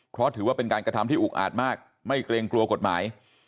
เพราะถือว่าเป็นการกระทำที่อุกอาจมากไม่เกรงกลัวกฎหมาย